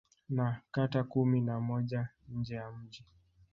Na kata kumi na moja nje ya mji